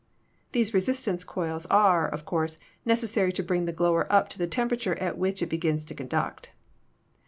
These resistance coils are, of course, necessary to bring the glower up to the tempera ture at which it begins to conduct.